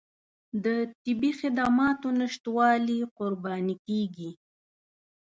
د طبي خدماتو نشتوالي قرباني کېږي.